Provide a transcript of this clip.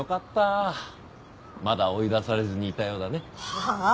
はあ！？